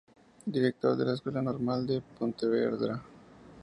Director de la Escuela Normal de Pontevedra.